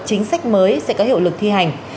chính sách mới sẽ có hiệu lực thi hành